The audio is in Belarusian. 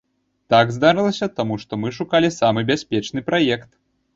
Так здарылася, таму што мы шукалі самы бяспечны праект.